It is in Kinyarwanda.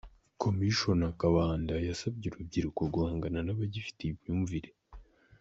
Commissioner Kabanda yasabye urubyiruko guhangana n’ abagifite iyi mvumvire .